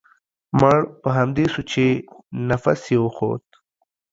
مړ په همدې سو چې نفس يې و خوت.